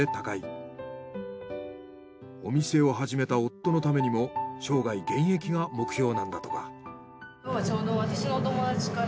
お店を始めた夫のためにも生涯現役が目標なんだとか。